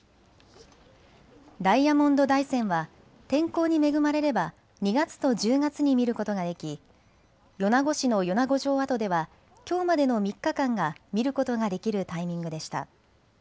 ダイヤモンド大山は天候に恵まれれば２月と１０月に見ることができ米子市の米子城跡ではきょうまでの３日間が見ることができるタイミングでした。